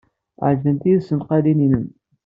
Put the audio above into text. Ɛejbent-iyi tesmaqqalin-nnem.